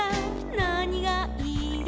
なにがいる？」